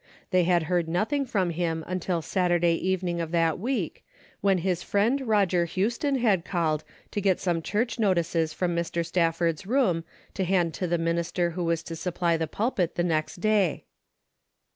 They had heard nothing from him until Saturday even ing of that week, when his friend Koger Hous ton had called to get some church notices from Mr. Stafford's room to hand to the min ister who was to supply the pulpit the next day.